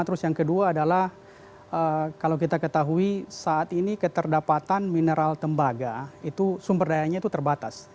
terus yang kedua adalah kalau kita ketahui saat ini keterdapatan mineral tembaga itu sumber dayanya itu terbatas